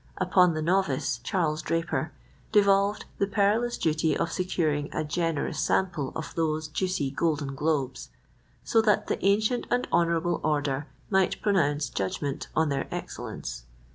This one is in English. Upon the novice, Charles Draper, devolved the perilous duty of securing a generous sample of those juicy golden globes, so that the ancient and honourable order might pronounce judgment on their excellence.